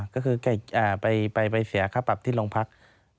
ก็คือไปเสียค่าปรับที่โรงพัก